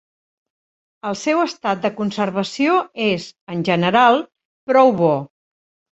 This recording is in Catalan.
El seu estat de conservació és, en general, prou bo.